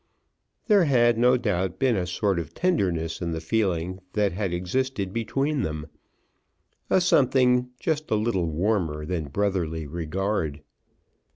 There had no doubt been a sort of tenderness in the feeling that had existed between them, a something just a little warmer than brotherly regard.